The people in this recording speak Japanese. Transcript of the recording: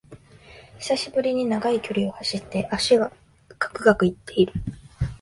久しぶりに長い距離を走って脚がガクガクいってる